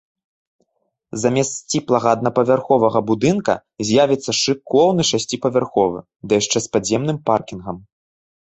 Замест сціплага аднапавярховага будынка з'явіцца шыкоўны шасціпавярховы, ды яшчэ з падземным паркінгам.